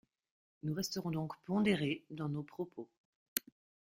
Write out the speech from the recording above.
Nous resterons donc pondérés dans nos propos.